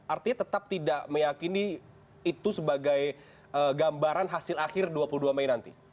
artinya tetap tidak meyakini itu sebagai gambaran hasil akhir dua puluh dua mei nanti